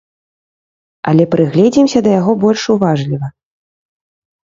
Але прыгледзімся да яго больш уважліва.